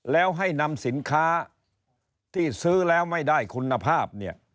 แล้วให้นำสินค้าที่ซื้อแล้วไม่ได้คุณภาพเนี่ย